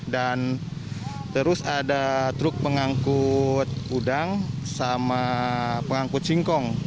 dan terus ada truk pengangkut udang sama pengangkut singkong